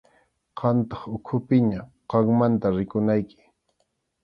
Qamtaq ukhupiña, qammanta rikunayki.